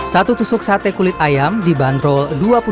satu tusuk sate kulit ayam di bandrol dua puluh delapan